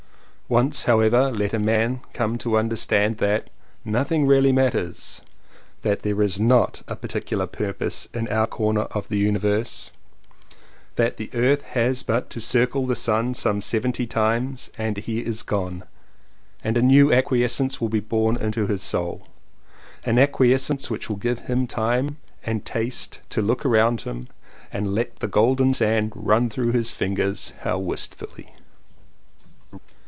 Once how ever let a man come to understand "that 181 CONFESSIONS OF TWO BROTHERS nothing really matters," that there is not particular purpose in our corner of the universe, that the earth has but to circle the sun some seventy times and he is gone, and a new acquiescence will be born into his soul, an acquiescence which will give him time and taste to look around him and let the golden sand run through his fingers how wistfully